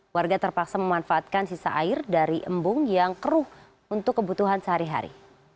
warga terpaksa memanfaatkan sisa air dari embung yang keruh untuk kebutuhan sehari hari